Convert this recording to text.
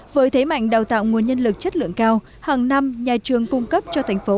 với thế mạnh đào tạo nguồn nhân lực chất lượng cao hàng năm nhà trường cung cấp cho thành phố